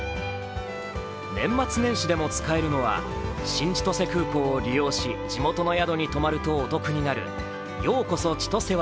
年末年始でも使えるのは新千歳空港を利用し地元の宿に泊まるとお得になるようこそ・ちとせ割